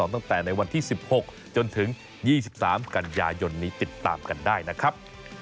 ตั้งแต่ในวันที่๑๖จนถึง๒๓กันยายนนี้ติดตามกันได้นะครับ